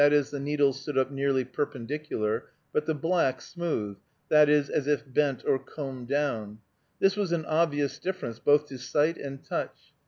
e._, the needles stood up nearly perpendicular), but the black smooth (i. e., as if bent or combed down). This was an obvious difference, both to sight and touch.